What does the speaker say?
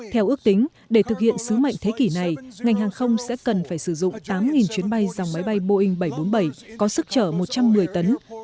theo ước tính để thực hiện sứ mệnh thế kỷ này ngành hàng không sẽ cần phải sử dụng tám chuyến bay dòng máy bay boeing bảy trăm bốn mươi bảy có sức trở một trăm một mươi tấn